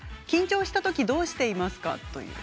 緊張したときどうしていますか？